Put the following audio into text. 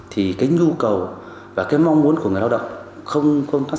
vì cái nhu cầu và cái mong muốn của người lao động